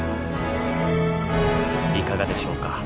いかがでしょうか。